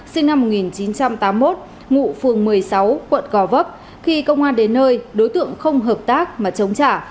sinh năm một nghìn chín trăm tám mươi một ngụ phường một mươi sáu quận gò vấp khi công an đến nơi đối tượng không hợp tác mà chống trả